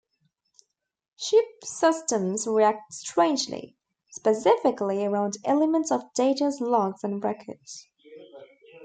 Ships systems react strangely, specifically around elements of Data's logs and records.